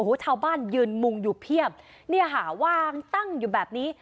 โอ้โหชาวบ้านยืนมุงอยู่เพียบเนี่ยค่ะวางตั้งอยู่แบบนี้